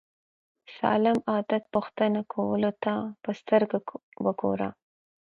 سالم عادت پوښتنه کولو ته په سترګه وګورو.